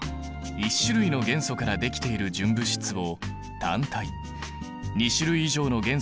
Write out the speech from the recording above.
２種類以上の元素からできている純物質は化合物。